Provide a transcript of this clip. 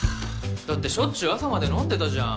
だってしょっちゅう朝まで飲んでたじゃん。